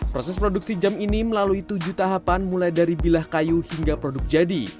proses produksi jam ini melalui tujuh tahapan mulai dari bilah kayu hingga produk jadi